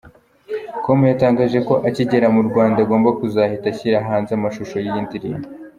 com yatangaje ko akigera mu Rwanda agomba kuzahita ashyira hanze amashusho y’iyi ndirimbo.